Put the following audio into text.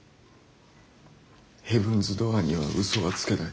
ヘブンズ・ドアーには嘘はつけない。